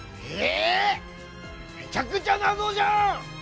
めちゃくちゃ謎じゃん！